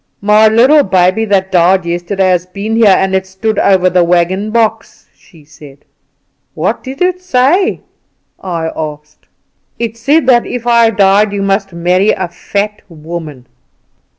"'My little baby that died yesterday has been here, and it stood over the wagon box,' she said. "'What did it say?' I asked. "'It said that if I died you must marry a fat woman.